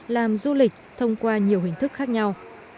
làm du lịch thông qua nhiều hình thức khác nhau